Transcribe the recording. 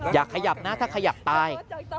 อย่าขยับนะถ้าขยับตาย